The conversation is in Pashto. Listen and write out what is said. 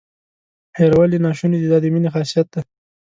هیرول یې ناشونې دي دا د مینې خاصیت دی.